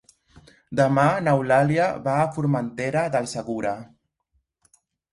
Demà n'Eulàlia va a Formentera del Segura.